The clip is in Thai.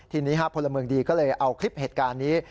ทีนี้พลเมืองดีก็เลยเอาคลิปเหตุการณ์นี้